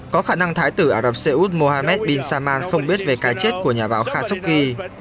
có khả năng thái tử ả rập xê út mohamed bin sama không biết về cái chết của nhà báo khashoggi